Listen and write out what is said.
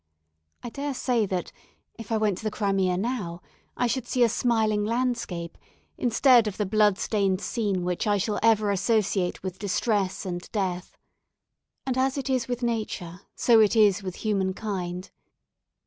I dare say that, if I went to the Crimea now, I should see a smiling landscape, instead of the blood stained scene which I shall ever associate with distress and death; and as it is with nature so it is with human kind.